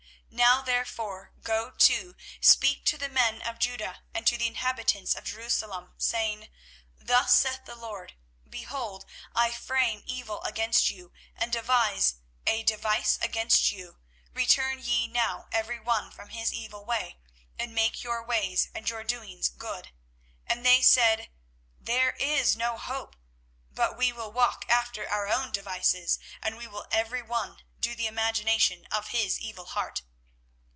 24:018:011 Now therefore go to, speak to the men of Judah, and to the inhabitants of Jerusalem, saying, Thus saith the LORD; Behold, I frame evil against you, and devise a device against you: return ye now every one from his evil way, and make your ways and your doings good. 24:018:012 And they said, There is no hope: but we will walk after our own devices, and we will every one do the imagination of his evil heart.